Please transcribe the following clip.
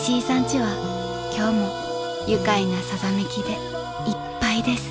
家は今日も愉快なさざめきでいっぱいです］